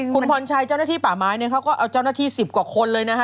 คุณพรชัยเจ้าหน้าที่ป่าไม้เนี่ยเขาก็เอาเจ้าหน้าที่๑๐กว่าคนเลยนะฮะ